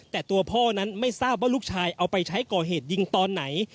แต่ตัวพ่อนั้นไม่ทราบว่าลูกชายเอาไปใช้ก่อเหตุยิงตอนไหน